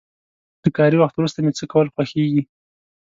له کاري وخت وروسته مې څه کول خوښيږي؟